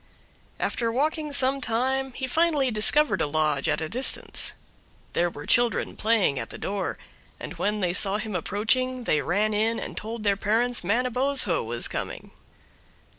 After walking some time he finally discovered a lodge at a distance. There were children playing at the door, and when they saw him approaching they ran in and told their parents Manabozho was coming.